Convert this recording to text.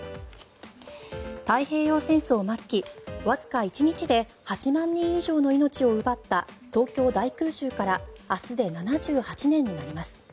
太平洋戦争末期わずか１日で８万人以上の命を奪った東京大空襲から明日で７８年になります。